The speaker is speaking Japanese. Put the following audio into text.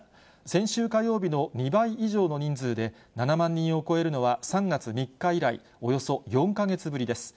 先週火曜日の２倍以上の人数で、７万人を超えるのは、３月３日以来およそ４か月ぶりです。